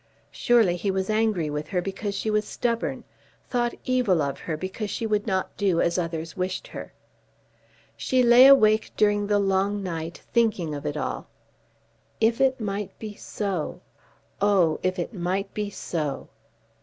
Surely he was angry with her because she was stubborn, thought evil of her because she would not do as others wished her! She lay awake during the long night thinking of it all. If it might be so! Oh; if it might be so!